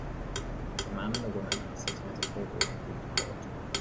The man and the woman are sitting at a table in a food court.